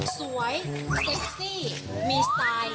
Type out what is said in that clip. สวยเซ็กซี่มีไซส์